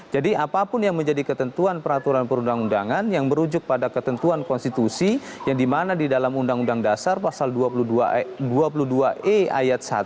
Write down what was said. jadi apapun yang menjadi ketentuan peraturan perundang undangan yang merujuk pada ketentuan konstitusi yang dimana di dalam undang undang dasar pasal dua puluh dua e ayat satu